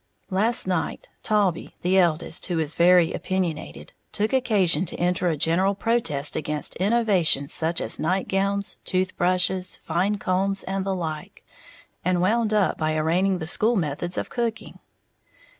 Last night Taulbee, the eldest, who is very opinionated, took occasion to enter a general protest against innovations such as nightgowns, tooth brushes, fine combs and the like, and wound up by arraigning the school methods of cooking.